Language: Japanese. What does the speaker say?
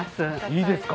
いいですか？